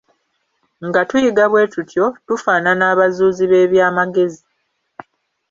Nga tuyiga bwe tutyo, tufaanaana abazuuzi b'eby'amagezi.